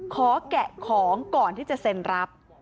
แกะของก่อนที่จะเซ็นรับ